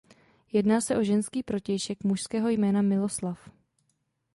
Jedná se o ženský protějšek mužského jména Miloslav.